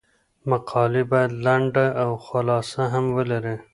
مقالې باید لنډه خلاصه هم ولري.